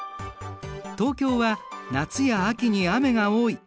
東京は夏や秋に雨が多い。